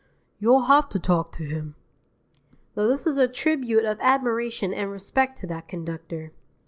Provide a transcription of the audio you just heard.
"You'll have to talk to him." Now this is a tribute of admiration and respect to that conductor.